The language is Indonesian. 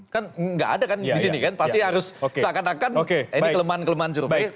kan nggak ada kan di sini kan pasti harus seakan akan ini kelemahan kelemahan survei